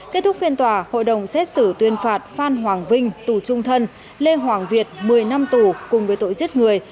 kết thúc phiên tòa hội đồng xét xử tuyên phạt phan hoàng vinh tù trung thân lê hoàng việt một mươi năm tù cùng với tội giết người